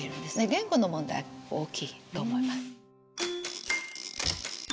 言語の問題大きいと思います。